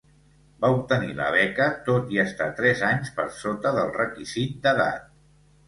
Va obtenir la beca tot i estar tres anys per sota del requisit d'edat.